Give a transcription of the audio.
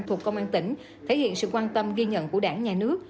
thuộc công an tỉnh thể hiện sự quan tâm ghi nhận của đảng nhà nước